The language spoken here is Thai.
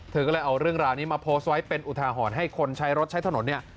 เธอก็เลยเอาเรื่องราวนี้มาโพสต์ไว้เป็นอุทาหรณ์ให้คนใช้รถใช้ถนนเนี่ย